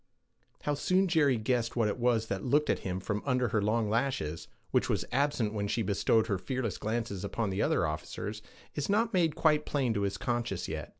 How soon Jerry guessed what it was that looked at him from under her long lashes, which was absent when she bestowed her fearless glances upon the other officers, is not made quite plain to his conscience yet.